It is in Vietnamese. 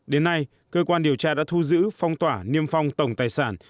đến nay cơ quan điều tra đã thu giữ phong tỏa niêm phong tổng tài sản